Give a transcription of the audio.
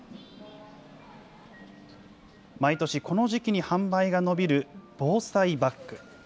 毎年、この時期に販売が伸びる防災バッグ。